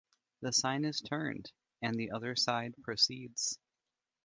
The sign is turned, and the other side proceeds.